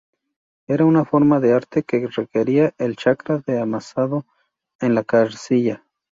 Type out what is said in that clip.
Era una forma de arte que requería el chakra de amasado en la arcilla.